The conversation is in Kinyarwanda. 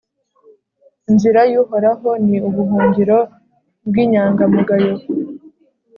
inzira y'uhoraho ni ubuhungiro bw'inyangamugayo